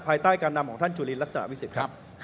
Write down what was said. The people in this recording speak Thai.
ภายใต้การนำของท่านจุลินลักษณะวิสิทธิ์ครับ